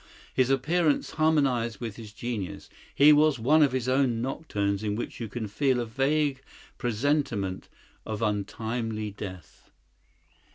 His appearance harmonized with his genius. He was one of his own nocturnes in which you can feel a vague presentiment of untimely death.